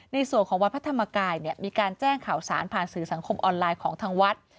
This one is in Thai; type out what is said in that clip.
ในส่วนของวัดพระธรรมกายมีการแจ้งข่าวสารผ่านสื่อสังคมออนไลน์ของทางวัด